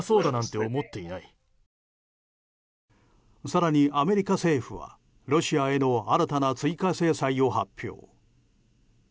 更にアメリカ政府はロシアへの新たな追加制裁を発表。